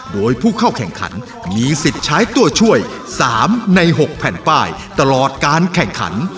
โดยผู้เข้าแข่งขันมีสิทธิ์ใช้ตัวช่วย๓ใน๖แผ่นป้ายตลอดการแข่งขัน